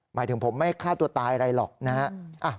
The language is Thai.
หมายถึงผมไม่ฆ่าตัวตายอะไรหรอกนะฮะ